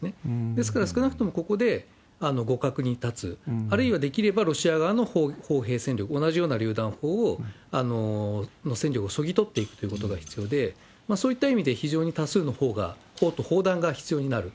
ですから、少なくともここで互角に立つ、あるいは、できればロシア側の砲兵戦力、同じようなりゅう弾砲の戦力をそぎ取っていくことが必要で、そういった意味で非常に多数のほうが、砲と砲弾が必要になる。